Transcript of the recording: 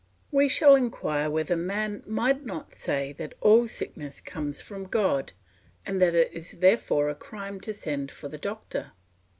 We shall inquire whether man might not say that all sickness comes from God, and that it is therefore a crime to send for the doctor.